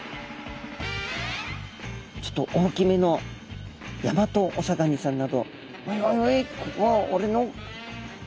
ちょっと大きめのヤマトオサガニさんなど「おいおいおい！